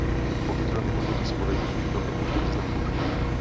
Po pěti letech odnětí svobody byl propuštěn ze zdravotních důvodů.